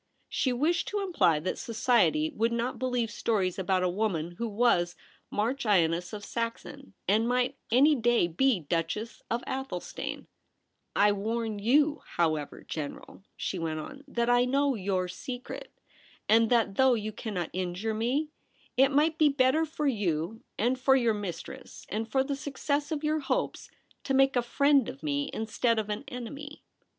She wished to Imply that society would not believe stories about a woman who was Marchioness of Saxon and might any day be Duchess of Athelstane. ' I warn you, however, General,' she went on, ' that I know your SQQVQ.X.y and that though you cannot injure THE BOTHWELL PART. 285 me, it might be better for you and for your mistress and for the success of your hopes to make a friend of me instead of an enemy.'